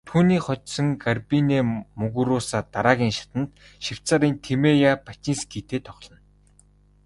Түүнийг хожсон Гарбинэ Мугуруса дараагийн шатанд Швейцарын Тимея Бачинскитэй тоглоно.